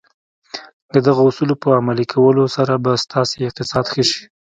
د دغو اصولو په عملي کولو سره به ستاسې اقتصاد ښه شي.